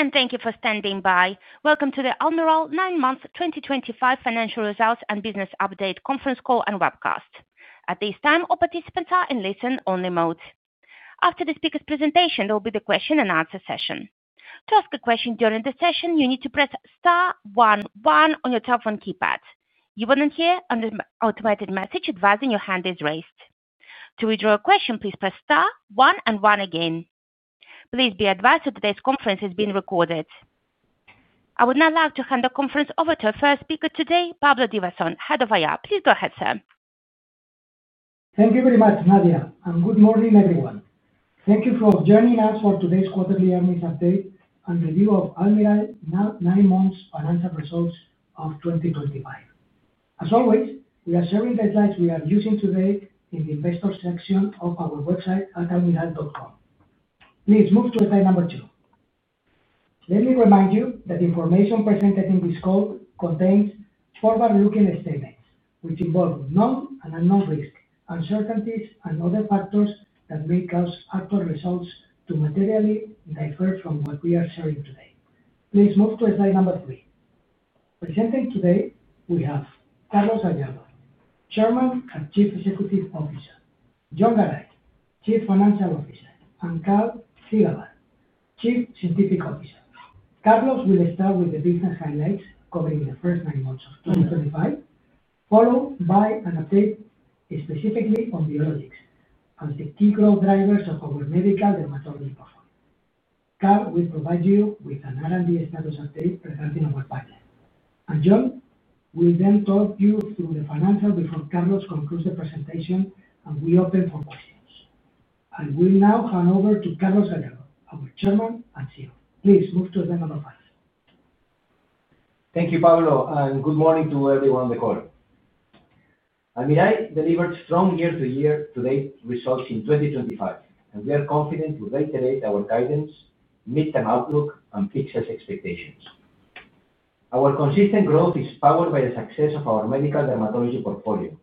Today, and thank you for standing by. Welcome to the Almirall 9 Months 2025 Financial Results and Business Update conference call and webcast. At this time, all participants are in listen-only mode. After the speaker's presentation, there will be the question-and-answer session. To ask a question during the session, you need to press star one one on your telephone keypad. You will then hear an automated message advising your hand is raised. To withdraw a question, please press star one and one again. Please be advised that today's conference is being recorded. I would now like to hand the conference over to our first speaker today, Pablo Divasson, Head of IR. Please go ahead, sir. Thank you very much, Nadia, and good morning, everyone. Thank you for joining us for today's quarterly earnings update and review of Almirall 9 Months Financial Results of 2025. As always, we are sharing the slides we are using today in the investor section of our website at almirall.com. Please move to slide number two. Let me remind you that the information presented in this call contains forward-looking statements, which involve known and unknown risks, uncertainties, and other factors that may cause actual results to materially differ from what we are sharing today. Please move to slide number three. Presenting today, we have Carlos Gallardo, Chairman and Chief Executive Officer; Jon Garay, Chief Financial Officer; and Karl Ziegelbauer, Chief Scientific Officer. Carlos will start with the business highlights covering the first nine months of 2025, followed by an update specifically on biologics as the key growth drivers of our medical dermatology portfolio. Karl will provide you with an R&D status update regarding our budget, and Jon will then talk you through the financials before Carlos concludes the presentation, and we open for questions. I will now hand over to Carlos Gallardo, our Chairman and CEO. Please move to slide number five. Thank you, Pablo, and good morning to everyone on the call. Almirall delivered strong year-to-year today results in 2025, and we are confident to reiterate our guidance, meet-time outlook, and fixed expectations. Our consistent growth is powered by the success of our medical dermatology portfolio,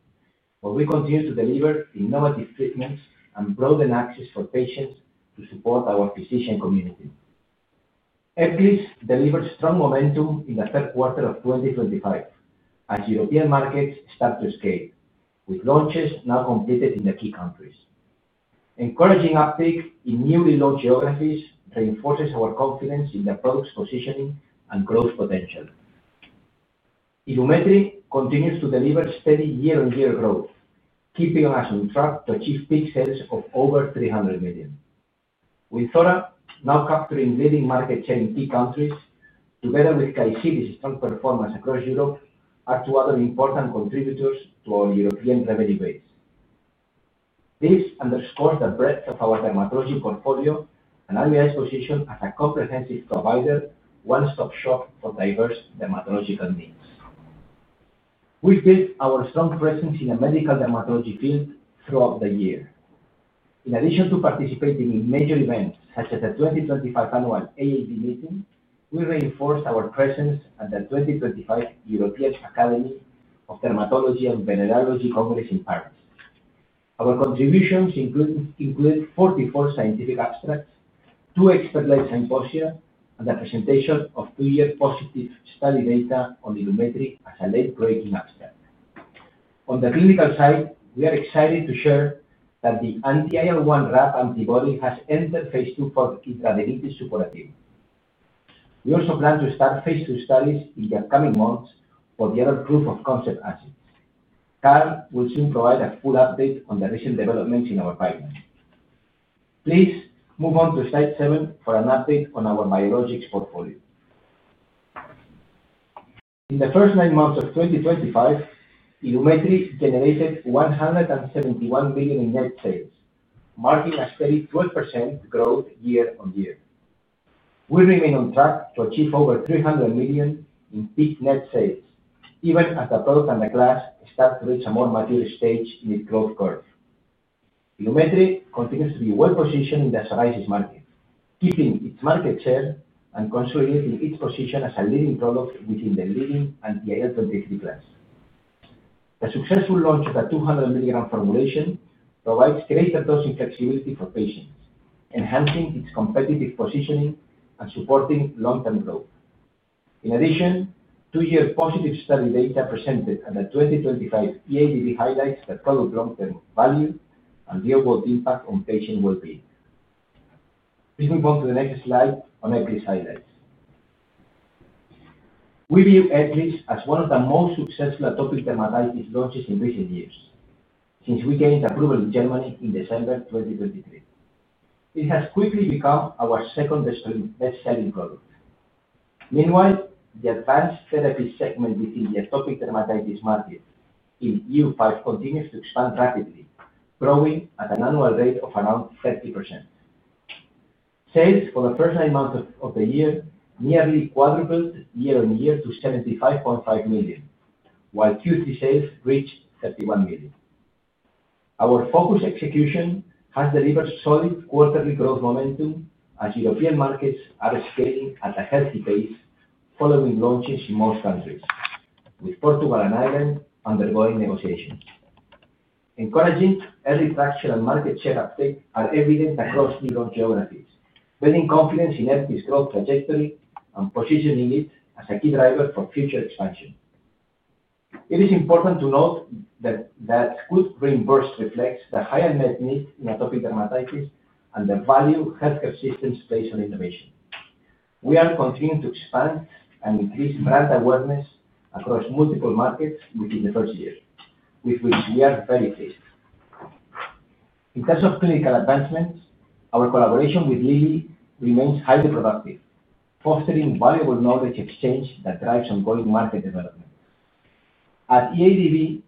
where we continue to deliver innovative treatments and broaden access for patients to support our physician community. Ebgly delivered strong momentum in the third quarter of 2025 as European markets start to scale, with launches now completed in the key countries. Encouraging uptake in newly launched geographies reinforces our confidence in the product's positioning and growth potential. Illumetri continues to deliver steady year-on-year growth, keeping us on track to achieve peak sales of over 300 million, with Wynzora now capturing leading market share in key countries, together with Seysara's strong performance across Europe as two other important contributors to our European revenue base. This underscores the breadth of our dermatology portfolio and Almirall's position as a comprehensive provider, one-stop shop for diverse dermatological needs. We've built our strong presence in the medical dermatology field throughout the year. In addition to participating in major events such as the 2025 annual AAD meeting, we reinforced our presence at the 2025 European Academy of Dermatology and Venereology Congress in Paris. Our contributions include 44 scientific abstracts, two expert-led symposia, and the presentation of two-year positive study data on Illumetri as a late-breaking abstract. On the clinical side, we are excited to share that the anti-IL-1 RAP antibody has entered phase two for intravenous supportive. We also plan to start phase two studies in the upcoming months for the other proof-of-concept assets. Karl will soon provide a full update on the recent developments in our pipeline. Please move on to slide seven for an update on our biologics portfolio. In the first nine months of 2025, Illumetri generated 171 million in net sales, marking a steady 12% growth year-on-year. We remain on track to achieve over 300 million in peak net sales, even as the product and the class start to reach a more mature stage in its growth curve. Illumetri continues to be well-positioned in the psoriasis market, keeping its market share and consolidating its position as a leading product within the leading anti-IL-23 class. The successful launch of the 200 mg formulation provides greater dosing flexibility for patients, enhancing its competitive positioning and supporting long-term growth. In addition, two-year positive study data presented at the 2025 EADV highlights the product's long-term value and real-world impact on patient well-being. Please move on to the next slide on Ebgly highlights. We view Ebgly as one of the most successful atopic dermatitis launches in recent years since we gained approval in Germany in December 2023. It has quickly become our second-best-selling product. Meanwhile, the advanced therapy segment within the atopic dermatitis market in year five continues to expand rapidly, growing at an annual rate of around 30%. Sales for the first nine months of the year nearly quadrupled year-on-year to 75.5 million, while Q3 sales reached 31 million. Our focused execution has delivered solid quarterly growth momentum as European markets are scaling at a healthy pace following launches in most countries, with Portugal and Ireland undergoing negotiations. Encouraging early traction and market share uptake are evident across different geographies, building confidence in Ebgly's growth trajectory and positioning it as a key driver for future expansion. It is important to note that good reimbursement reflects the high unmet needs in atopic dermatitis and the value healthcare systems place on innovation. We are continuing to expand and increase brand awareness across multiple markets within the first year, with which we are very pleased. In terms of clinical advancements, our collaboration with Lilly remains highly productive, fostering valuable knowledge exchange that drives ongoing market development. At EADV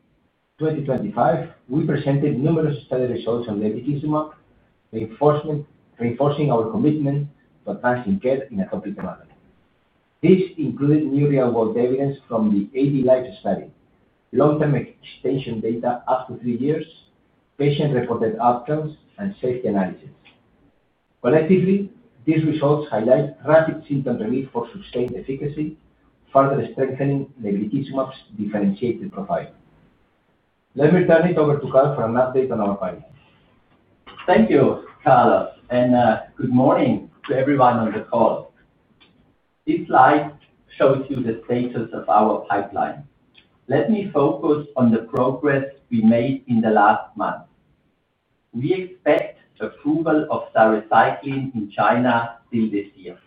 2025, we presented numerous study results on lebrikizumab, reinforcing our commitment to advancing care in atopic dermatology. This included new real-world evidence from the AD LIFE study, long-term extension data up to three years, patient-reported outcomes, and safety analysis. Collectively, these results highlight rapid symptom relief for sustained efficacy, further strengthening lebrikizumab's differentiated profile. Let me turn it over to Karl for an update on our pipeline. Thank you, Carlos, and good morning to everyone on the call. This slide shows you the status of our pipeline. Let me focus on the progress we made in the last month. We expect approval of psoricycline in China till this year.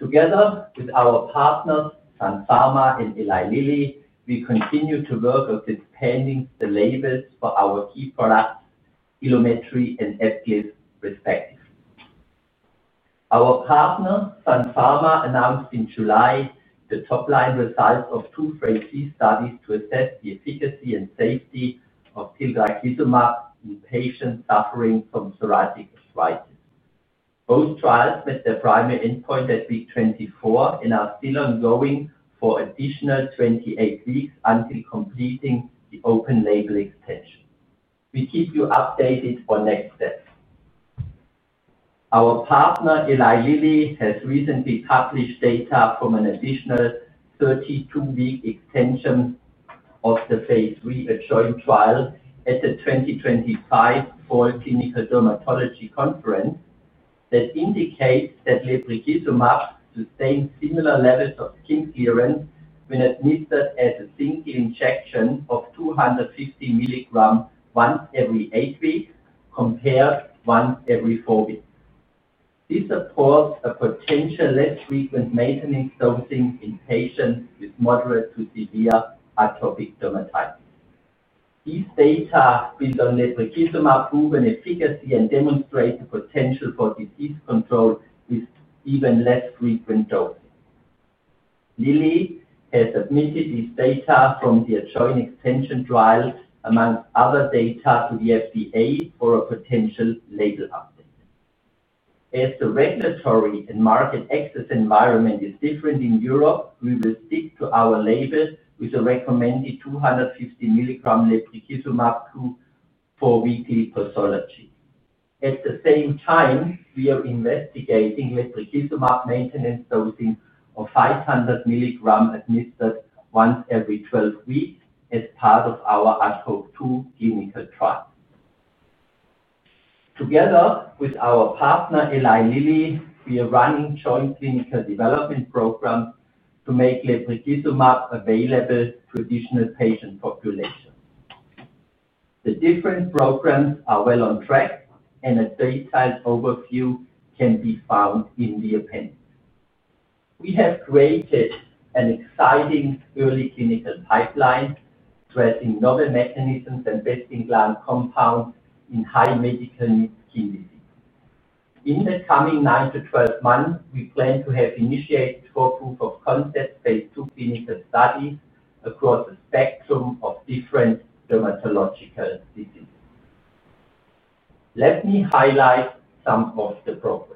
Together with our partners, Sun Pharma and Eli Lilly, we continue to work on the pending labels for our key products, Illumetri and Ebgly respectively. Our partner, Sun Pharma, announced in July the top-line results of two phase three studies to assess the efficacy and safety of tildrakizumab in patients suffering from psoriatic arthritis. Both trials met their primary endpoint at week 24 and are still ongoing for additional 28 weeks until completing the open label extension. We keep you updated on next steps. Our partner, Eli Lilly, has recently published data from an additional 32-week extension of the phase three Adjoin trial at the 2025 Fall Clinical Dermatology Conference that indicates that lebrikizumab sustained similar levels of skin clearance when administered as a single injection of 250 mg once every eight weeks compared to once every four weeks. This supports a potential less frequent maintenance dosing in patients with moderate to severe atopic dermatitis. These data build on lebrikizumab's proven efficacy and demonstrate the potential for disease control with even less frequent dosing. Lilly has submitted these data from the Adjoin extension trial among other data to the FDA for a potential label update. As the regulatory and market access environment is different in Europe, we will stick to our label with the recommended 250 mg lebrikizumab four-weekly posology. At the same time, we are investigating lebrikizumab maintenance dosing of 500 mg administered once every 12 weeks as part of our ad hoc two clinical trials. Together with our partner, Eli Lilly, we are running joint clinical development programs to make lebrikizumab available to additional patient populations. The different programs are well on track, and a detailed overview can be found in the appendix. We have created an exciting early clinical pipeline addressing novel mechanisms and best-in-class compounds in high medical need skin disease. In the coming 9-12 months, we plan to have initiated four proof-of-concept phase two clinical studies across a spectrum of different dermatological diseases. Let me highlight some of the progress.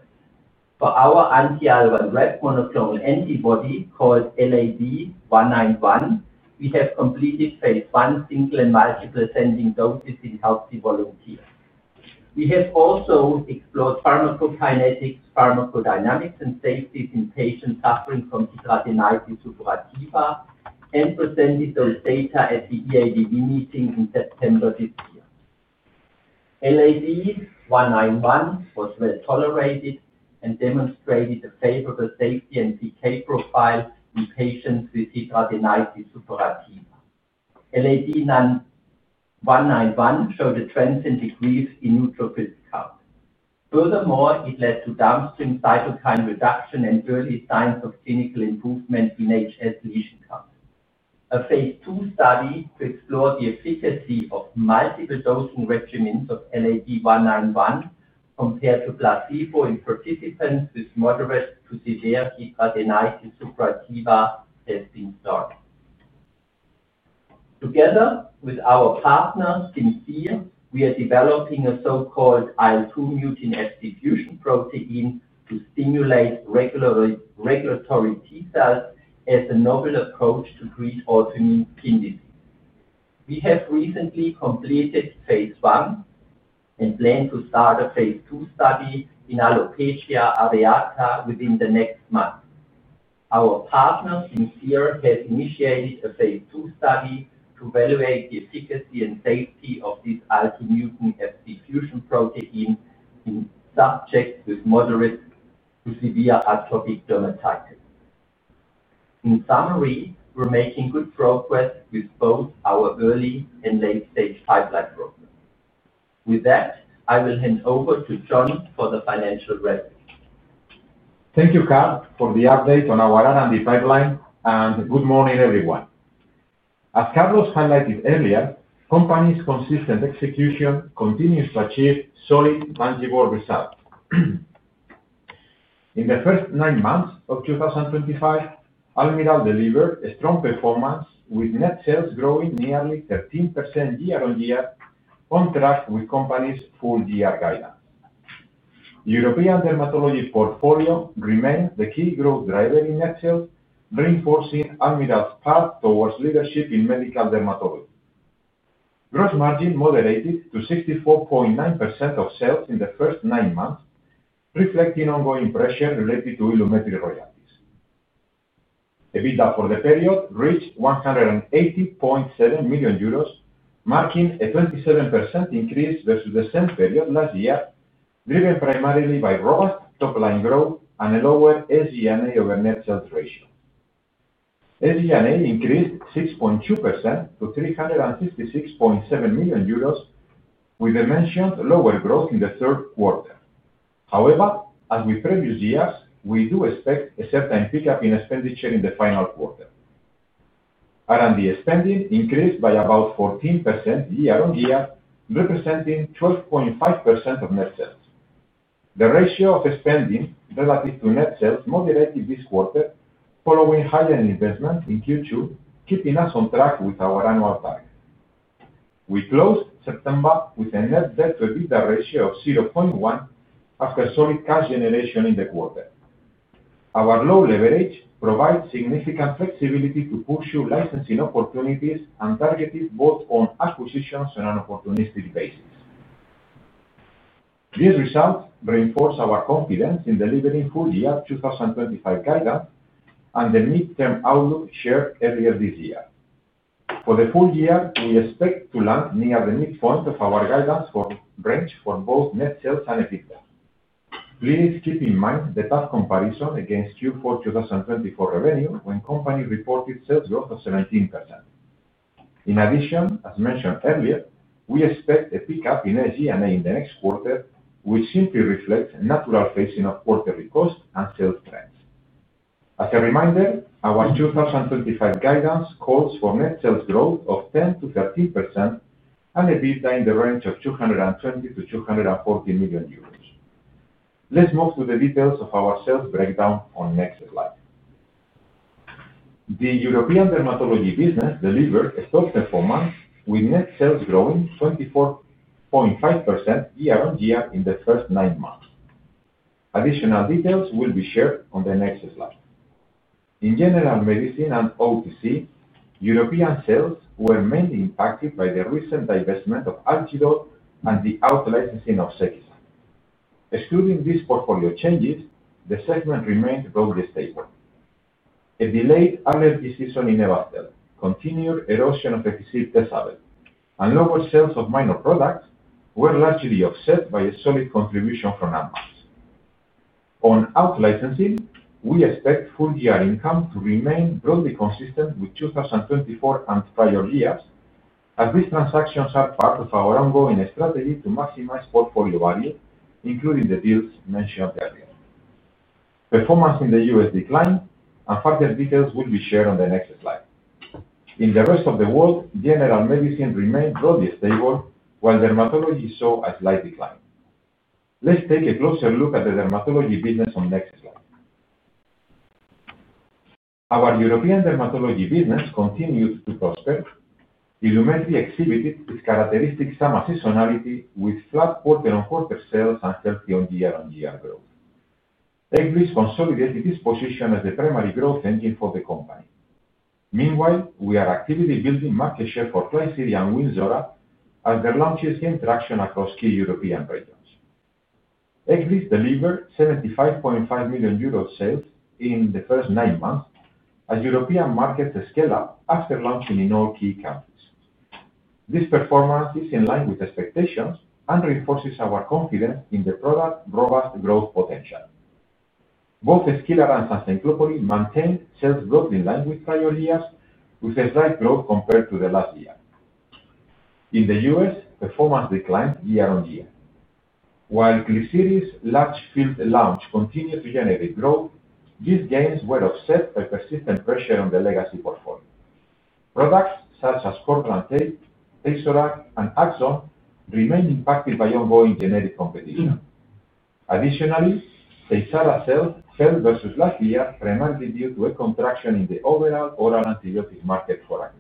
For our anti-IL-1RAP monoclonal antibody called LAD191, we have completed phase one single and multiple ascending doses in healthy volunteers. We have also explored pharmacokinetics, pharmacodynamics, and safety in patients suffering from hidradenitis suppurativa and presented those data at the EADV meeting in September this year. LAD191 was well tolerated and demonstrated a favorable safety and PK profile in patients with hidradenitis suppurativa. LAD191 showed a transcendent decrease in neutrophil count. Furthermore, it led to downstream cytokine reduction and early signs of clinical improvement in HS lesion count. A phase 2 study to explore the efficacy of multiple dosing regimens of LAD191 compared to placebo in participants with moderate to severe hidradenitis suppurativa has been started. Together with our partner, Simcere, we are developing a so-called IL-2 mutein execution protein to stimulate regulatory T cells as a novel approach to treat autoimmune skin disease. We have recently completed phase 1 and plan to start a phase 2 study in alopecia areata within the next month. Our partner, Simcere, has initiated a phase 2 study to evaluate the efficacy and safety of this IL-2 mutein fusion protein in subjects with moderate to severe atopic dermatitis. In summary, we're making good progress with both our early and late-stage pipeline program. With that, I will hand over to Jon for the financial record. Thank you, Karl, for the update on our R&D pipeline, and good morning, everyone. As Carlos highlighted earlier, the company's consistent execution continues to achieve solid manageable results. In the first nine months of 2025, Almirall delivered strong performance with net sales growing nearly 13% year-on-year on track with the company's full year guidance. The European dermatology portfolio remains the key growth driver in net sales, reinforcing Almirall's path towards leadership in medical dermatology. Gross margin moderated to 64.9% of sales in the first nine months, reflecting ongoing pressure related to Illumetri royalties. EBITDA for the period reached 180.7 million euros, marking a 27% increase versus the same period last year, driven primarily by robust top-line growth and a lower SG&A over net sales ratio. SG&A increased 6.2% to 366.7 million euros, with the mentioned lower growth in the third quarter. However, as with previous years, we do expect a certain pickup in expenditure in the final quarter. R&D spending increased by about 14% year-on-year, representing 12.5% of net sales. The ratio of spending relative to net sales moderated this quarter, following higher investment in Q2, keeping us on track with our annual target. We closed September with a net debt-to-EBITDA ratio of 0.1 after solid cash generation in the quarter. Our low leverage provides significant flexibility to pursue licensing opportunities and targeted both on acquisitions and on an opportunistic basis. These results reinforce our confidence in delivering full year 2025 guidance and the midterm outlook shared earlier this year. For the full year, we expect to land near the midpoint of our guidance range for both net sales and EBITDA. Please keep in mind the tough comparison against Q4 2024 revenue when the company reported sales growth of 17%. In addition, as mentioned earlier, we expect a pickup in SG&A in the next quarter, which simply reflects the natural phasing of quarterly costs and sales trends. As a reminder, our 2025 guidance calls for net sales growth of 10%-13% and EBITDA in the range of 220 million-240 million euros. Let's move to the details of our sales breakdown on the next slide. The European dermatology business delivered a top performance with net sales growing 24.5% year-on-year in the first nine months. Additional details will be shared on the next slide. In general medicine and OTC, European sales were mainly impacted by the recent divestment of Algidol and the out-licensing of Cetirizine. Excluding these portfolio changes, the segment remained broadly stable. A delayed allergy season in Evastel, continued erosion of epithelial subsets, and lower sales of minor products were largely offset by a solid contribution from amongst. On out-licensing, we expect full year income to remain broadly consistent with 2024 and prior years, as these transactions are part of our ongoing strategy to maximize portfolio value, including the deals mentioned earlier. Performance in the U.S. declined, and further details will be shared on the next slide. In the rest of the world, general medicine remained broadly stable, while dermatology saw a slight decline. Let's take a closer look at the dermatology business on the next slide. Our European dermatology business continued to prosper. Illumetri exhibited its characteristic summer seasonality with flat quarter-on-quarter sales and healthy year-on-year growth. Ebgly consolidated its position as the primary growth engine for the company. Meanwhile, we are actively building market share for Klisyri and Wynzora as their launches gain traction across key European regions. Ebgly delivered 75.5 million euros sales in the first nine months as European markets scale up after launching in all key countries. This performance is in line with expectations and reinforces our confidence in the product's robust growth potential. Both Ilumetri and Seysara maintained sales broadly in line with prior years, with a slight growth compared to the last year. In the U.S., performance declined year-on-year. While Klisyri's large field launch continued to generate growth, these gains were offset by persistent pressure on the legacy portfolio. Products such as Cordran Tape, Tazorac, and Aczone remain impacted by ongoing competition. Additionally, Seysara sales fell versus last year primarily due to a contraction in the overall oral antibiotic market for acne.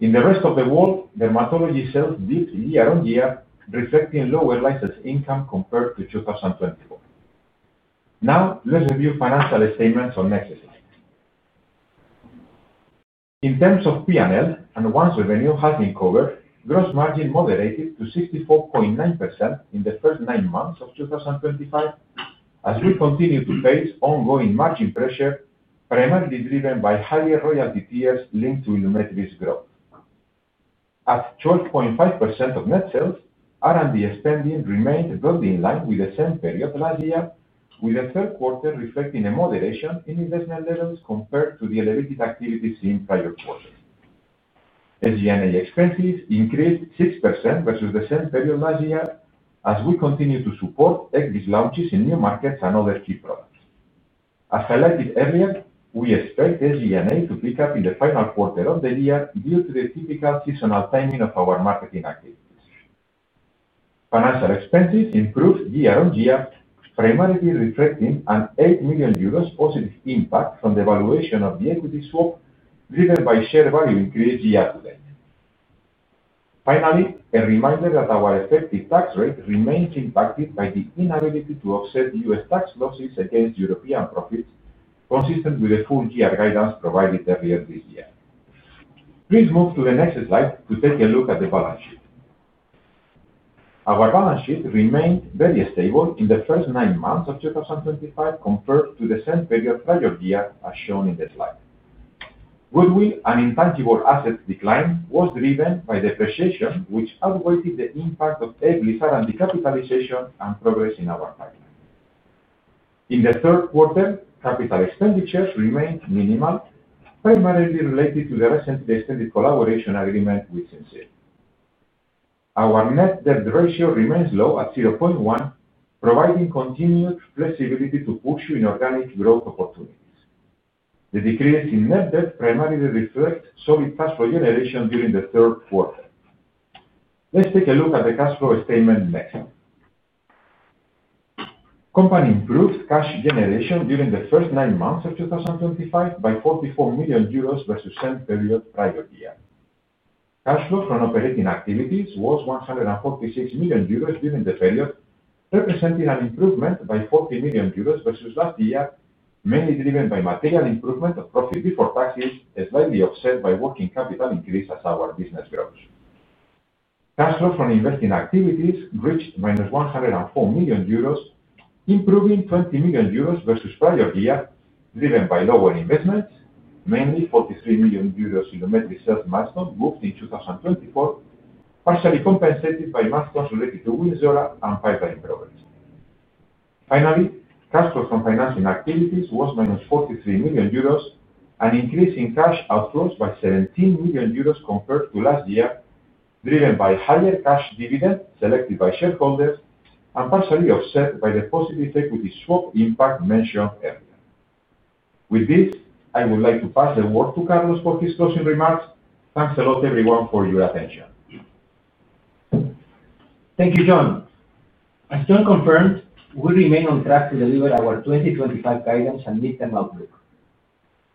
In the rest of the world, dermatology sales dipped year-on-year, reflecting lower license income compared to 2024. Now, let's review financial statements on the next slide. In terms of P&L and once revenue has been covered, gross margin moderated to 64.9% in the first nine months of 2025 as we continue to face ongoing margin pressure primarily driven by higher royalty tiers linked to Illumetri's growth. At 12.5% of net sales, R&D spending remained broadly in line with the same period last year, with the third quarter reflecting a moderation in investment levels compared to the elevated activity seen prior quarters. SG&A expenses increased 6% versus the same period last year as we continue to support Ebgly launches in new markets and other key products. As highlighted earlier, we expect SG&A to pick up in the final quarter of the year due to the typical seasonal timing of our marketing activities. Financial expenses improved year-on-year, primarily reflecting an 8 million euros positive impact from the valuation of the equity swap driven by share value increase year-to-date. Finally, a reminder that our effective tax rate remains impacted by the inability to offset U.S. tax losses against European profits, consistent with the full year guidance provided earlier this year. Please move to the next slide to take a look at the balance sheet. Our balance sheet remained very stable in the first nine months of 2025 compared to the same period prior year as shown in the slide. Goodwill and intangible assets decline was driven by depreciation, which outweighed the impact of Ebgly R&D capitalization and progress in our pipeline. In the third quarter, capital expenditures remained minimal, primarily related to the recently extended collaboration agreement with Simcere. Our net debt ratio remains low at 0.1, providing continued flexibility to pursue inorganic growth opportunities. The decrease in net debt primarily reflects solid cash flow generation during the third quarter. Let's take a look at the cash flow statement next. The company improved cash generation during the first nine months of 2025 by 44 million euros versus the same period prior year. Cash flow from operating activities was 146 million euros during the period, representing an improvement by 40 million euros versus last year, mainly driven by material improvement of profit before taxes, slightly offset by working capital increase as our business grows. Cash flow from investing activities reached minus 104 million euros, improving 20 million euros versus prior year, driven by lower investments, mainly 43 million euros Illumetri's sales milestone moved in 2024, partially compensated by milestones related to Wynzora and pipeline progress. Finally, cash flow from financing activities was 43 million euros, an increase in cash outflows by 17 million euros compared to last year, driven by higher cash dividend selected by shareholders and partially offset by the positive equity swap impact mentioned earlier. With this, I would like to pass the word to Carlos for his closing remarks. Thanks a lot, everyone, for your attention. Thank you, Jon. As Jon confirmed, we remain on track to deliver our 2025 guidance and midterm outlook,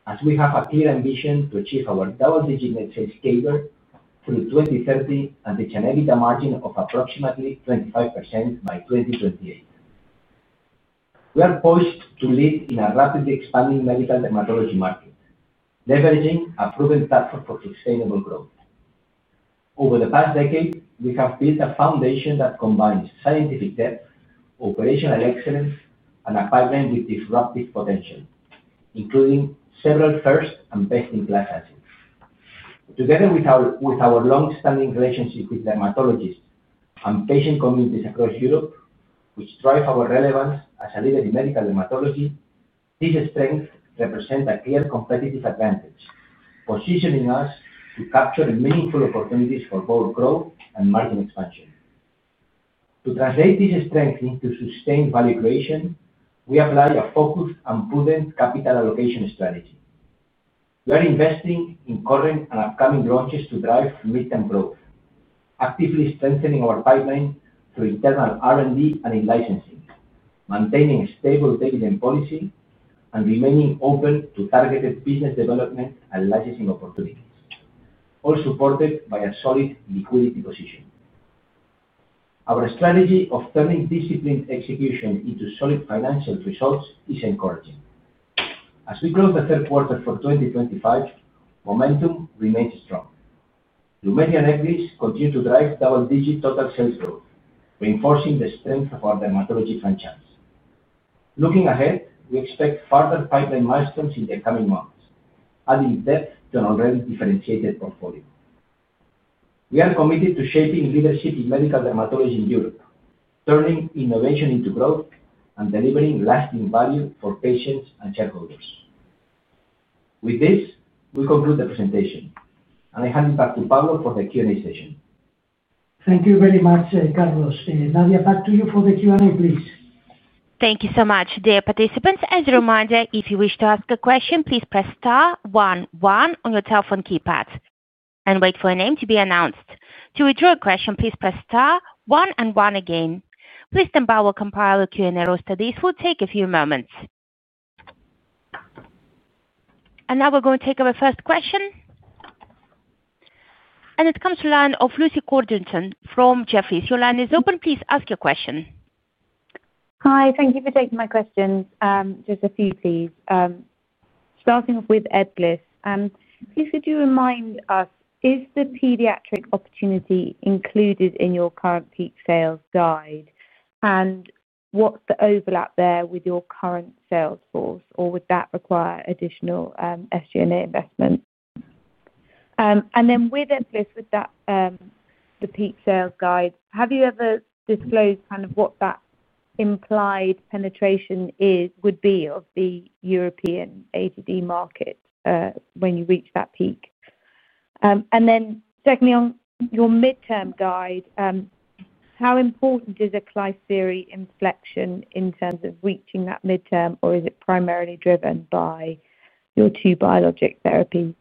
as we have a clear ambition to achieve our double-digit net sales CAGR through 2030 and reach an EBITDA margin of approximately 25% by 2028. We are poised to lead in a rapidly expanding medical dermatology market, leveraging a proven platform for sustainable growth. Over the past decade, we have built a foundation that combines scientific depth, operational excellence, and a pipeline with disruptive potential, including several first and best-in-class assets. Together with our long-standing relationship with dermatologists and patient communities across Europe, which drives our relevance as a leader in medical dermatology, these strengths represent a clear competitive advantage, positioning us to capture meaningful opportunities for both growth and margin expansion. To translate these strengths into sustained value creation, we apply a focused and prudent capital allocation strategy. We are investing in current and upcoming launches to drive midterm growth, actively strengthening our pipeline through internal R&D and in-licensing, maintaining a stable dividend policy, and remaining open to targeted business development and licensing opportunities, all supported by a solid liquidity position. Our strategy of turning disciplined execution into solid financial results is encouraging. As we close the third quarter for 2025, momentum remains strong. Illumetri and Ebgly continue to drive double-digit total sales growth, reinforcing the strength of our dermatology franchise. Looking ahead, we expect further pipeline milestones in the coming months, adding depth to an already differentiated portfolio. We are committed to shaping leadership in medical dermatology in Europe, turning innovation into growth and delivering lasting value for patients and shareholders. With this, we conclude the presentation, and I hand it back to Pablo for the Q&A session. Thank you very much, Carlos. Nadia, back to you for the Q&A, please. Thank you so much. Dear participants, as a reminder, if you wish to ask a question, please press star one one on your telephone keypad and wait for a name to be announced. To withdraw a question, please press star one and one again. Please then bow or compile a Q&A or study. This will take a few moments. Now we are going to take our first question. It comes from the line of Lucy Codrington from Jefferies. Your line is open. Please ask your question. Hi, thank you for taking my questions. Just a few, please. Starting off with Ebgly, please could you remind us, is the pediatric opportunity included in your current peak sales guide? What's the overlap there with your current sales force? Would that require additional SG&A investment? With Ebgly, with the peak sales guide, have you ever disclosed kind of what that implied penetration would be of the European atopic dermatitis market when you reach that peak? Secondly, on your midterm guide, how important is a Klisyri inflection in terms of reaching that midterm? Is it primarily driven by your two biologic therapies?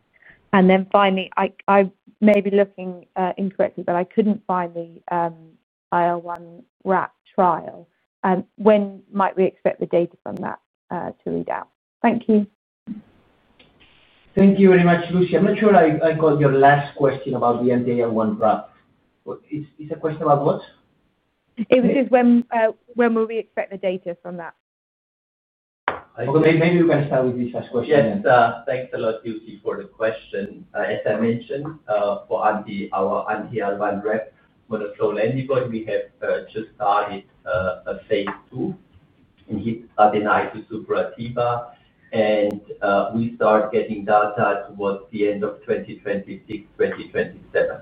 Finally, I may be looking incorrectly, but I couldn't find the IL-2 mutein trial. When might we expect the data from that to read out? Thank you. Thank you very much, Lucy. I'm not sure I got your last question about the anti-IL-1 wrap. It's a question about what? It was just when will we expect the data from that? Maybe we can start with this last question. Yes. Thanks a lot, Lucy, for the question. As I mentioned, for our anti-IL-2 mutein monoclonal antibody, we have just started phase 2 in hidradenitis suppurativa. And we start getting data towards the end of 2026, 2027.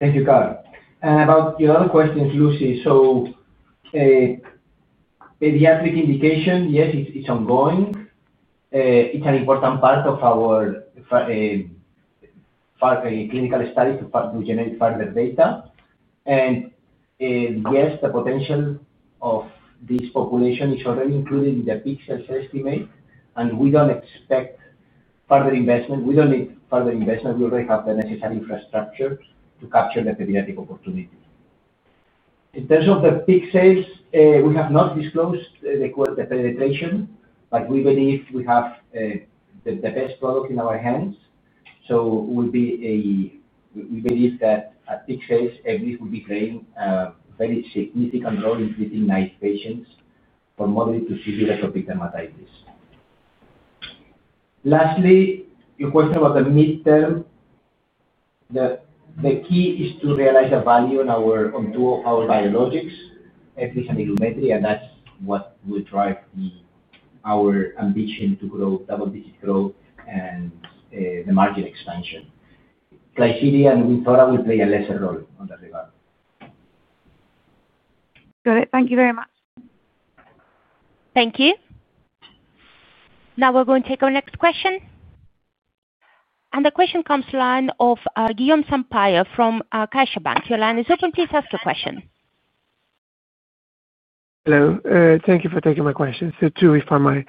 Thank you, Karl. About your other questions, Lucy. Pediatric indication, yes, it's ongoing. It's an important part of our clinical studies to generate further data. Yes, the potential of this population is already included in the peak sales estimate. We don't expect further investment. We don't need further investment. We already have the necessary infrastructure to capture the pediatric opportunity. In terms of the peak sales, we have not disclosed the penetration, but we believe we have the best product in our hands. We believe that at peak sales, Ebgly will be playing a very significant role in treating nice patients for moderate to severe atopic dermatitis. Lastly, your question about the midterm, the key is to realize the value on two of our biologics, Ebgly and Illumetri, and that's what will drive our ambition to grow double-digit growth and the margin expansion. Klisyri and Wynzora will play a lesser role on that regard. Got it. Thank you very much. Thank you. Now we are going to take our next question. The question comes to the line of Guilherme Sampaio from CaixaBank. Your line is open. Please ask your question. Hello. Thank you for taking my question. Two if I may.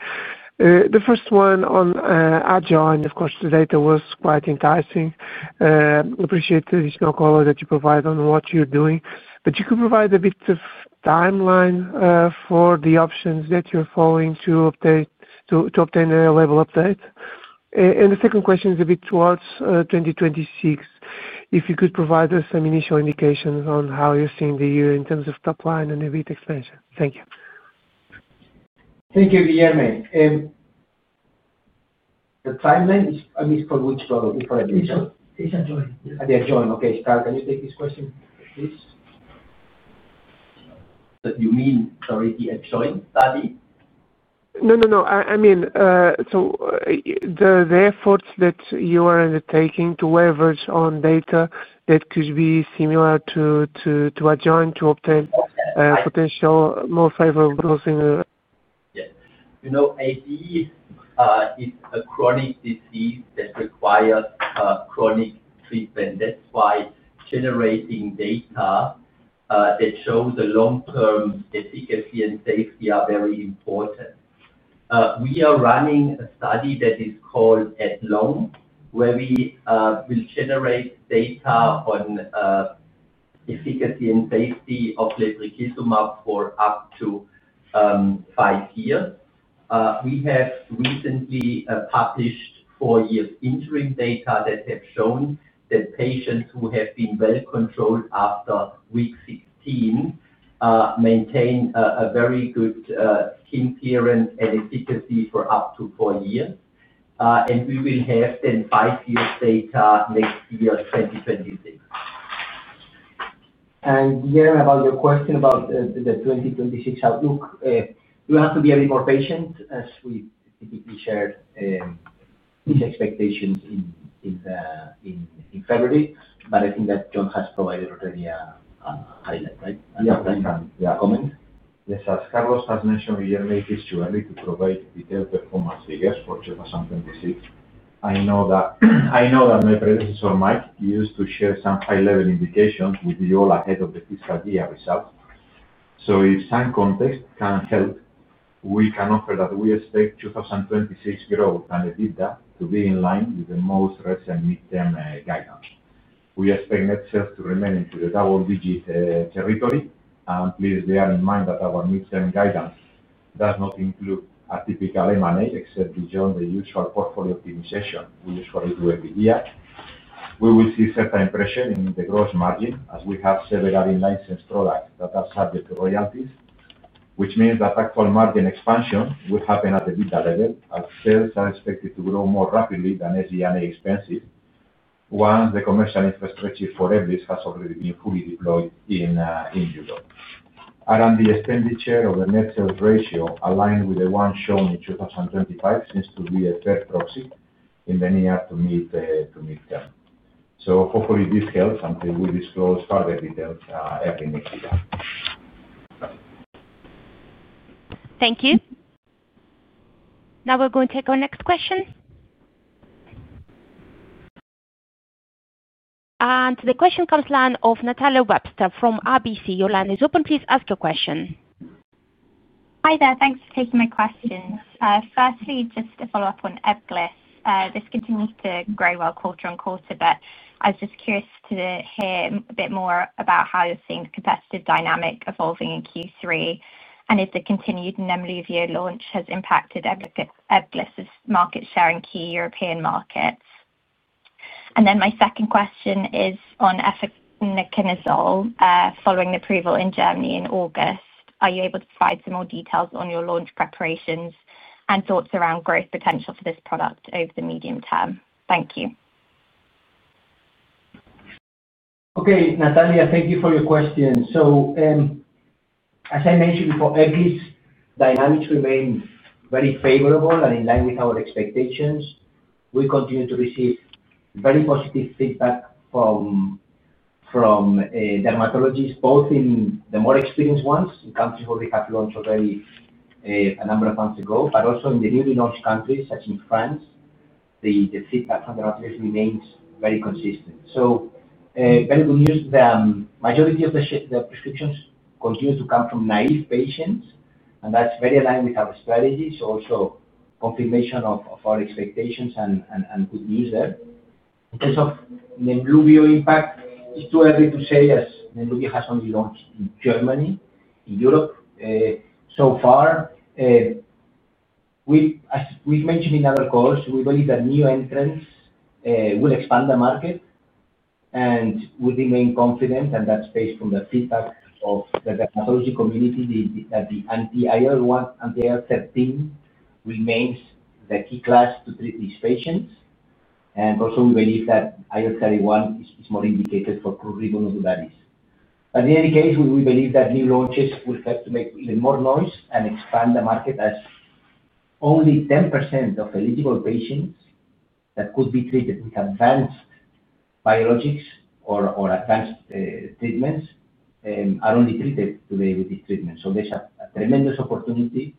The first one on Algidol. Of course, the data was quite enticing. Appreciate the snowball that you provide on what you're doing. If you could provide a bit of timeline for the options that you're following to obtain a label update. The second question is a bit towards 2026. If you could provide us some initial indications on how you're seeing the year in terms of top line and EBIT expansion. Thank you. Thank you, Guilherme. The timeline is for which product? It's for Klisyri. It's adjoint. They're adjoint. Okay. Karl, can you take this question, please? You mean already adjoint study? No, no. I mean, the efforts that you are undertaking to leverage on data that could be similar to adjoint to obtain potential more favorable. Yeah. You know, AD is a chronic disease that requires chronic treatment. That's why generating data that shows the long-term efficacy and safety are very important. We are running a study that is called ADLONG, where we will generate data on efficacy and safety of Ebgly for up to five years. We have recently published four-year interim data that have shown that patients who have been well controlled after week 16 maintain a very good skin clearance and efficacy for up to four years. We will have then five-year data next year, 2026. Guilherme, about your question about the 2026 outlook, we have to be a bit more patient as we typically share these expectations in February. I think that Jon has provided already a highlight, right? Yes. A comment? Yes. As Carlos has mentioned, Guilherme, it is too early to provide detailed performance figures for 2026. I know that my predecessor, Mike, used to share some high-level indications with you all ahead of the fiscal year results. If some context can help, we can offer that we expect 2026 growth and EBITDA to be in line with the most recent midterm guidance. We expect net sales to remain in the double-digit territory. Please bear in mind that our midterm guidance does not include a typical M&A, except beyond the usual portfolio optimization we usually do every year. We will see certain impressions in the gross margin as we have several in-license products that are subject to royalties, which means that actual margin expansion will happen at the EBITDA level, as sales are expected to grow more rapidly than SG&A expenses once the commercial infrastructure for Ebgly has already been fully deployed in Europe. R&D expenditure over net sales ratio aligned with the one shown in 2025 seems to be a fair proxy in the near to midterm. Hopefully, this helps until we disclose further details every next year. Thank you. Now we are going to take our next question. The question comes to the line of Natalia Webster from RBC. Your line is open. Please ask your question. Hi there. Thanks for taking my question. Firstly, just to follow up on Ebgly. This continues to grow well quarter on quarter, but I was just curious to hear a bit more about how you're seeing the competitive dynamic evolving in Q3 and if the continued Nemluvia launch has impacted Ebgly's market share in key European markets. My second question is on efinaconazole following approval in Germany in August. Are you able to provide some more details on your launch preparations and thoughts around growth potential for this product over the medium term? Thank you. Okay. Natalia, thank you for your question. As I mentioned before, Ebgly dynamics remain very favorable and in line with our expectations. We continue to receive very positive feedback from dermatologists, both in the more experienced ones in countries where we have launched already a number of months ago, but also in the newly launched countries such as France. The feedback from the dermatologists remains very consistent. Very good news. The majority of the prescriptions continue to come from naive patients, and that's very aligned with our strategy. Also confirmation of our expectations and good news there. In terms of NEMLUVIA impact, it's too early to say as NEMLUVIA has only launched in Germany, in Europe so far. We've mentioned in other calls, we believe that new entrants will expand the market, and we remain confident that that's based on the feedback of the dermatology community that the anti-IL-13 remains the key class to treat these patients. We also believe that IL-31 is more indicated for prurigo nodularis. In any case, we believe that new launches will have to make even more noise and expand the market as only 10% of eligible patients that could be treated with advanced biologics or advanced treatments are only treated today with this treatment. There's a tremendous opportunity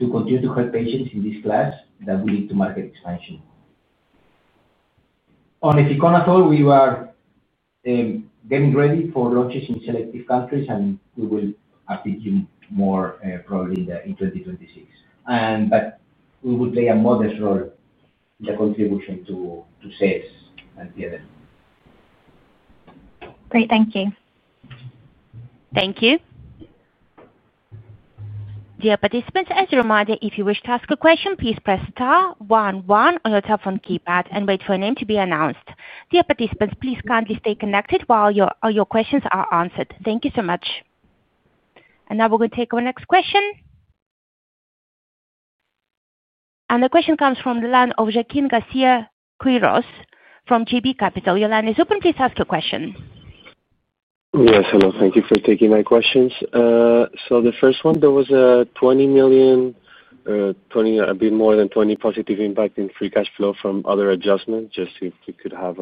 to continue to help patients in this class that will lead to market expansion. On efinaconazole, we are getting ready for launches in selective countries, and we will have to do more probably in 2026. We will play a modest role in the contribution to sales and PNL. Great. Thank you. Thank you. Dear participants, as a reminder, if you wish to ask a question, please press star one, one on your telephone keypad and wait for a name to be announced. Dear participants, please kindly stay connected while your questions are answered. Thank you so much. Now we are going to take our next question. The question comes from the line of Joaquin Garcia-Quiros from JB Capital. Your line is open. Please ask your question. Yes. Hello. Thank you for taking my questions. The first one, there was a 20 million, a bit more than 20 million positive impact in free cash flow from other adjustments, just if we could have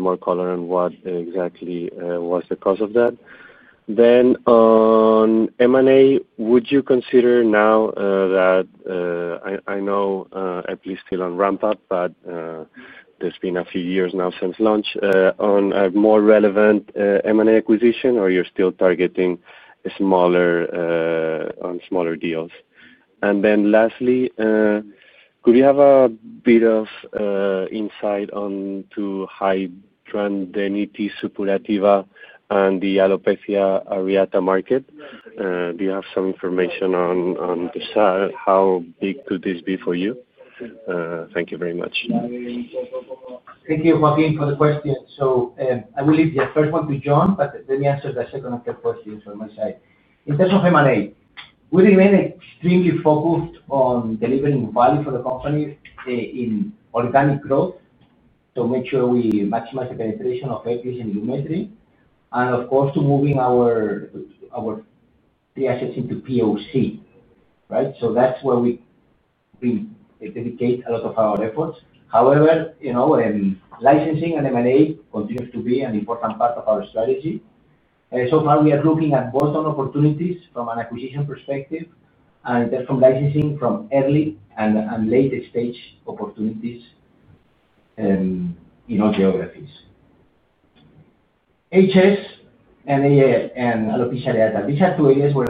more color on what exactly was the cause of that. On M&A, would you consider now that I know Ebgly is still on ramp up, but there have been a few years now since launch, a more relevant M&A acquisition, or are you still targeting smaller deals? Lastly, could you have a bit of insight onto hidradenitis suppurativa and the alopecia areata market? Do you have some information on how big could this be for you? Thank you very much. Thank you, Joaquin, for the question. I will leave the first one to Jon, but let me answer the second and third questions on my side. In terms of M&A, we remain extremely focused on delivering value for the company in organic growth to make sure we maximize the penetration of Ebgly and Illumetri, and of course, to moving our three assets into POC, right? That is where we dedicate a lot of our efforts. However, licensing and M&A continue to be an important part of our strategy. So far, we are looking at both opportunities from an acquisition perspective and from licensing from early and late-stage opportunities in all geographies. HS and alopecia areata, these are two areas where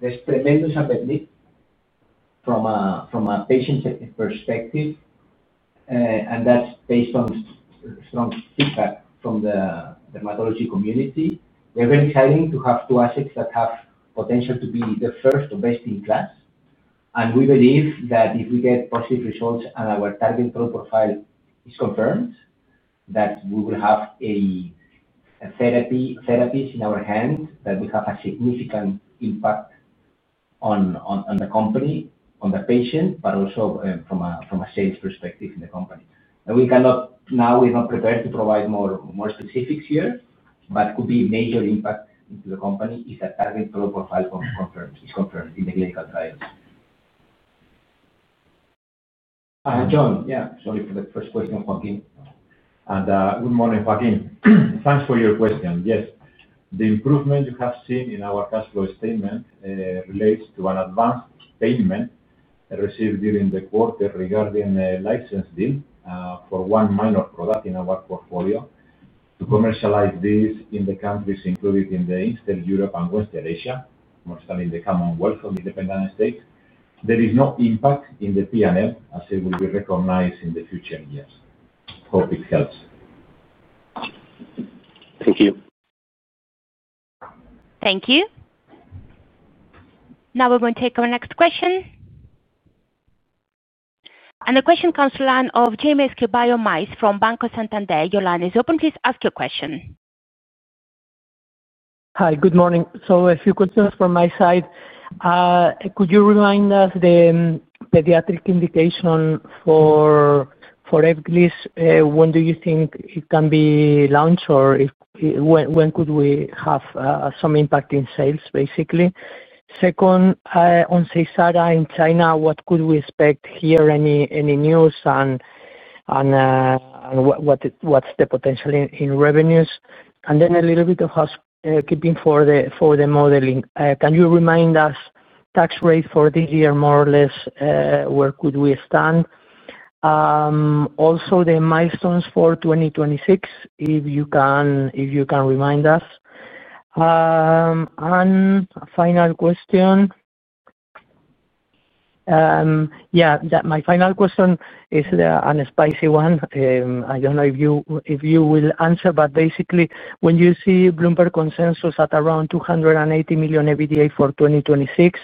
there is tremendous up and need from a patient perspective, and that is based on strong feedback from the dermatology community. They're very exciting to have two assets that have potential to be the first or best in class. We believe that if we get positive results and our target profile is confirmed, we will have therapies in our hands that will have a significant impact on the company, on the patient, but also from a sales perspective in the company. We cannot now, we're not prepared to provide more specifics here, but it could be a major impact into the company if the target profile is confirmed in the clinical trials. Jon, yeah. Sorry for the first question, Joaquin. Good morning, Joaquin. Thanks for your question. Yes. The improvement you have seen in our cash flow statement relates to an advance payment received during the quarter regarding a license deal for one minor product in our portfolio. To commercialize this in the countries included in Eastern Europe and Western Asia, mostly in the Commonwealth of Independent States, there is no impact in the P&L, as it will be recognized in the future years. Hope it helps. Thank you. Thank you. Now we're going to take our next question. The question comes to the line of Jaime Escribano from Banco Santander. Your line is open. Please ask your question. Hi. Good morning. A few questions from my side. Could you remind us the pediatric indication for Ebgly? When do you think it can be launched, or when could we have some impact in sales, basically? Second, on Seysara in China, what could we expect here, any news, and what's the potential in revenues? A little bit of housekeeping for the modeling. Can you remind us tax rate for this year, more or less, where could we stand? Also, the milestones for 2026, if you can remind us. Final question. Yeah. My final question is a spicy one. I do not know if you will answer, but basically, when you see Bloomberg Consensus at around 280 million EBITDA for 2026,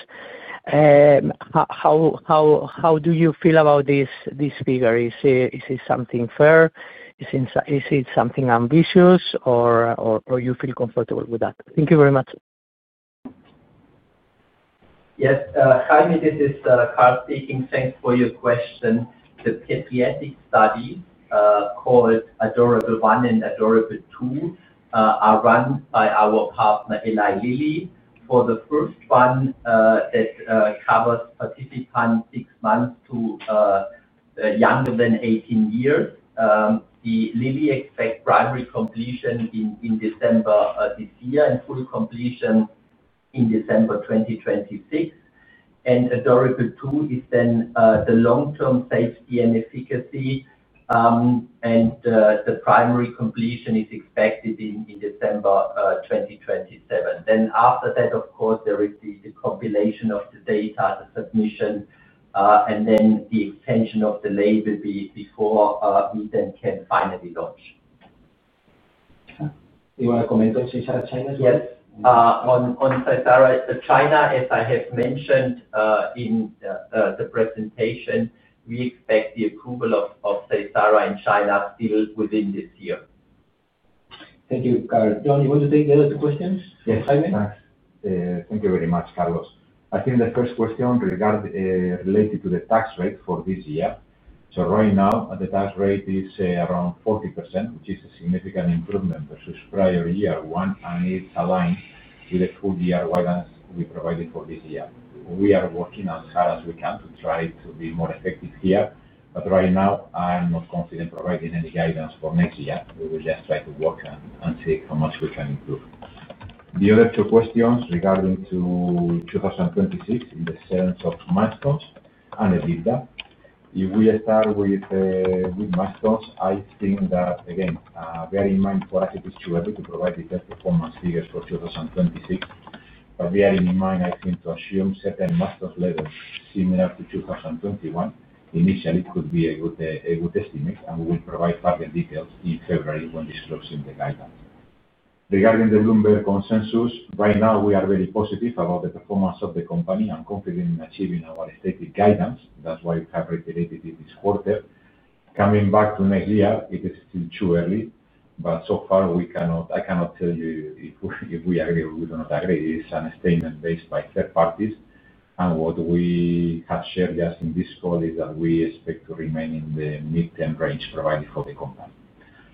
how do you feel about this figure? Is it something fair? Is it something ambitious, or do you feel comfortable with that? Thank you very much. Yes. Hi, this is Karl speaking. Thanks for your question. The pediatric studies called Adorable One and Adorable Two are run by our partner, Eli Lilly. For the first one, that covers participants six months to younger than 18 years. Lilly expects primary completion in December this year and full completion in December 2026. Adorable Two is the long-term safety and efficacy, and the primary completion is expected in December 2027. After that, of course, there is the compilation of the data, the submission, and the extension of the label before we can finally launch. Do you want to comment on Cesara China as well? Yes. On Cesara China, as I have mentioned in the presentation, we expect the approval of Cesara in China still within this year. Thank you, Karl. Jon, you want to take the other two questions? Yes. Thank you very much, Carlos. I think the first question related to the tax rate for this year. Right now, the tax rate is around 40%, which is a significant improvement versus prior year one, and it is aligned with the full-year guidance we provided for this year. We are working as hard as we can to try to be more effective here, but right now, I'm not confident providing any guidance for next year. We will just try to work and see how much we can improve. The other two questions regarding 2026 in the sense of milestones and EBITDA. If we start with milestones, I think that, again, bearing in mind for us, it is too early to provide the best performance figures for 2026. Bearing in mind, I think, to assume certain milestones level similar to 2021, initially, it could be a good estimate, and we will provide further details in February when this close in the guidance. Regarding the Bloomberg Consensus, right now, we are very positive about the performance of the company. I'm confident in achieving our stated guidance. That's why we have reiterated it this quarter. Coming back to next year, it is still too early, but so far, I cannot tell you if we agree or we do not agree. It's a statement based by third parties, and what we have shared just in this call is that we expect to remain in the mid-term range provided for the company.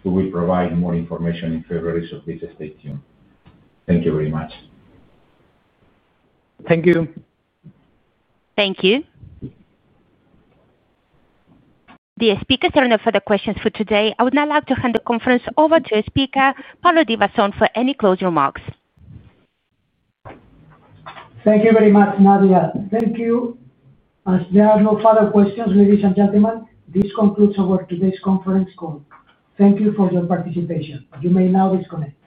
We will provide more information in February so please stay tuned. Thank you very much. Thank you. Thank you. The speakers turned off for the questions for today. I would now like to hand the conference over to Speaker Pablo Divasson for any closing remarks. Thank you very much, Nadia. Thank you. As there are no further questions, ladies and gentlemen, this concludes our today's conference call. Thank you for your participation. You may now disconnect.